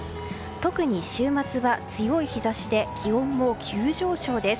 特に週末は強い日差しで気温も急上昇です。